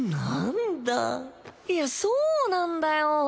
いやそうなんだよ。